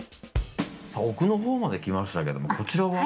奥のほうまで来ましたけどもこちらは？